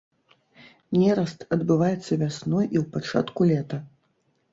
Нераст адбываецца вясной і ў пачатку лета.